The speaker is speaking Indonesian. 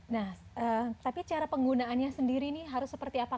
nah tapi cara penggunaannya sendiri nih harus seperti apa